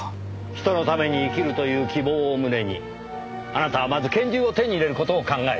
人のために生きるという希望を胸にあなたはまず拳銃を手に入れる事を考えた。